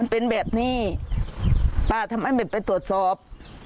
เป็นแบบนี้ป้าทำไมไม่ไปตรวจสอบ